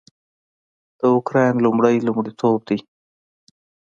د اوکراین لومړی لومړیتوب دی